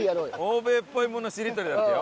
欧米っぽいものしりとりだってよ。